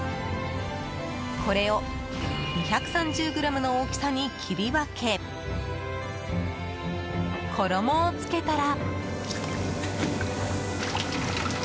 これを２３０ｇの大きさに切り分け、衣をつけたら。